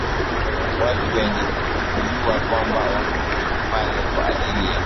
watu wenye kujua kwamba wako pale kwa ajili ya